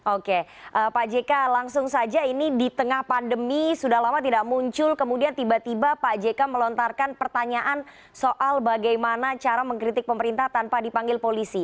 oke pak jk langsung saja ini di tengah pandemi sudah lama tidak muncul kemudian tiba tiba pak jk melontarkan pertanyaan soal bagaimana cara mengkritik pemerintah tanpa dipanggil polisi